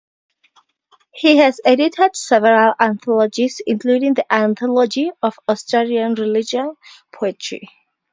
He has edited several anthologies, including the "Anthology of Australian Religious Poetry".